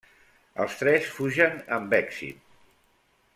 Els tres fugen amb èxit.